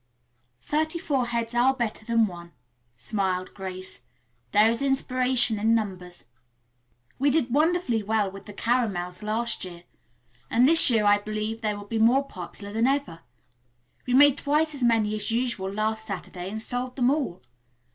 "Thirty four heads are better than one," smiled Grace. "There is inspiration in numbers." "We did wonderfully well with the caramels last year, and this year I believe they will be more popular than ever. We made twice as many as usual last Saturday, and sold them all.